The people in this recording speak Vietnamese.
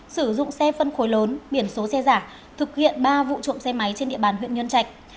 sử dụng xe phân khối lớn biển số xe giả thực hiện ba vụ trộm xe máy trên địa bàn huyện nhân trạch